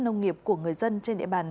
nông nghiệp của người dân trên địa bàn